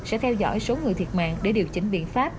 sẽ theo dõi số người thiệt mạng để điều chỉnh biện pháp